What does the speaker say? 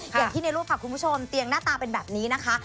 อย่างที่ในรูปค่ะคุณผู้ชมเตียงหน้าตาเป็นแบบนี้นะคะ